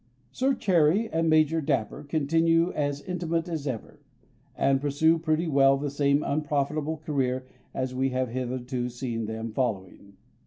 Sir Cherry and Major Dapper continue as intimate as ever, and pursue pretty well the same unprofitable career as we have hitherto seen them following.